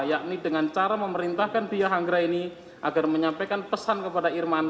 yakni dengan cara memerintahkan bia hanggra ini agar menyampaikan pesan kepada irman